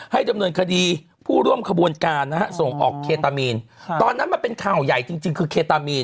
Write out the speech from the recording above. ดำเนินคดีผู้ร่วมขบวนการนะฮะส่งออกเคตามีนตอนนั้นมันเป็นข่าวใหญ่จริงคือเคตามีน